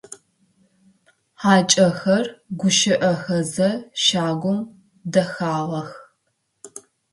Хьакӏэхэр гущыӏэхэзэ щагум дэхьагъэх.